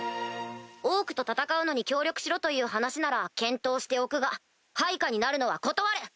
オークと戦うのに協力しろという話なら検討しておくが配下になるのは断る！